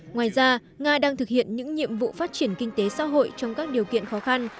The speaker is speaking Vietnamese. ngoài ra nga đang thực hiện những nhiệm vụ phát triển kinh tế xã hội trong các điều kiện khó khăn